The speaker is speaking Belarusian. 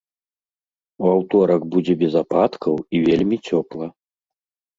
У аўторак будзе без ападкаў і вельмі цёпла.